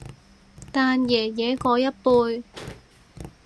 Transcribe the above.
但爺爺嗰一輩